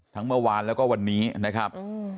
เมื่อวานแล้วก็วันนี้นะครับ